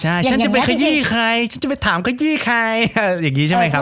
ใช่ฉันจะไปขยี้ใครฉันจะไปถามขยี้ใครอย่างนี้ใช่ไหมครับ